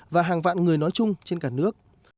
và hàng vạn người nói chung trên cả nước